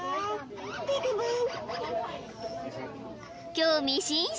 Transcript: ［興味津々！